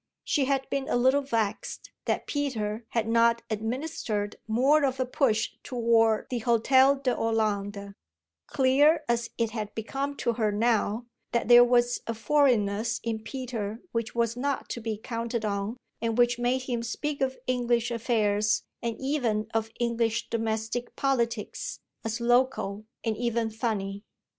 She had been a little vexed that Peter had not administered more of a push toward the Hôtel de Hollande, clear as it had become to her now that there was a foreignness in Peter which was not to be counted on and which made him speak of English affairs and even of English domestic politics as local and even "funny."